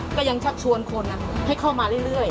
ก็ยังชักชวนคนให้เข้ามาเรื่อย